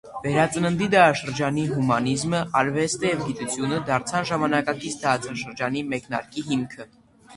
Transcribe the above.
Վերածննդի դարաշրջանի հումանիզմը, արվեստը և գիտությունը դարձան ժամանակակից դարաշրջանի մեկնարկի հիմքը։